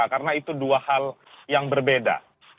karena itu dua hal yang berbeda